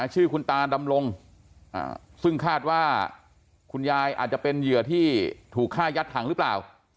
ชื่อคุณตาดำรงซึ่งคาดว่าคุณยายอาจจะเป็นเหยื่อที่ถูกฆ่ายัดถังหรือเปล่า